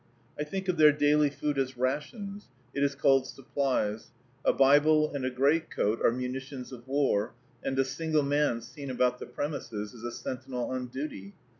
I think of their daily food as rations, it is called "supplies;" a Bible and a greatcoat are munitions of war, and a single man seen about the premises is a sentinel on duty.